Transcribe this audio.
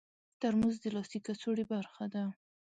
ترموز د لاسي کڅوړې برخه ده.